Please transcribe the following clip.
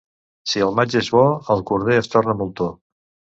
Si el maig és bo, el corder es torna moltó.